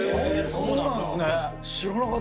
「そうなんですね！」